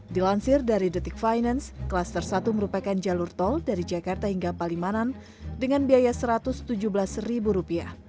dilansir dari detik finance klaster satu merupakan jalur tol dari jakarta hingga palimanan dengan biaya rp satu ratus tujuh belas